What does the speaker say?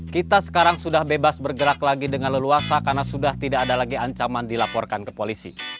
kita sekarang sudah bebas bergerak lagi dengan leluasa karena sudah tidak ada lagi ancaman dilaporkan ke polisi